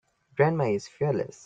Grandma is fearless.